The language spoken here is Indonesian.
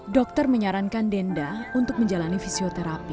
dokter menyarankan denda untuk menjalani fisioterapi